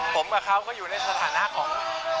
ผมกับเขาก็อยู่ในสถานะของ